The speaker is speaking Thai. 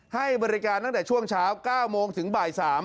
ให้บริการตั้งแต่ช่วงเช้า๙โมงถึงบ่าย๓